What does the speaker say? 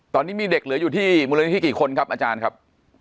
ตอนนี้มีเด็กเหลืออยู่ที่มูลนิธิกี่คนครับอาจารย์ครับ